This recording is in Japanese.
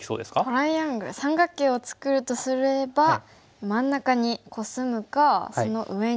トライアングル三角形を作るとすれば真ん中にコスむかその上に。